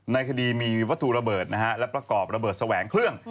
ในคดีมีวัตถุระเบิดนะฮะและประกอบระเบิดแสวงเครื่อง